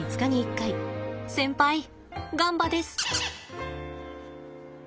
先輩ガンバです！